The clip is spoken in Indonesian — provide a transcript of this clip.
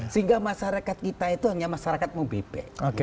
sehingga masyarakat kita itu hanya masyarakat mubek